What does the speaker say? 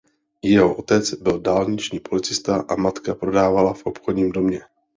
Jeho otec byl dálniční policista a matka prodávala v obchodním domě.